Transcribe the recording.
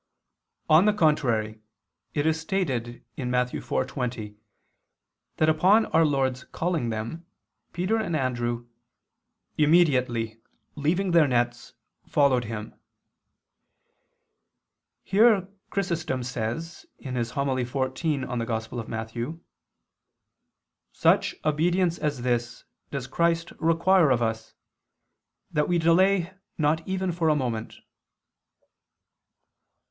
On the contrary, It is stated (Matt. 4:20) that upon our Lord's calling them, Peter and Andrew "immediately leaving their nets, followed Him." Here Chrysostom says (Hom. xiv in Matth.): "Such obedience as this does Christ require of us, that we delay not even for a moment."